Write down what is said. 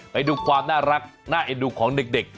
ไปดูความน่ารักน่าเอ็นดูของเด็ก